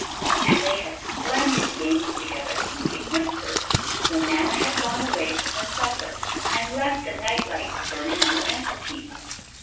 And they had splendid games together, in whispers, when Nana had gone away to her supper and left the night light burning on the mantelpiece.